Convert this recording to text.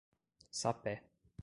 Sapé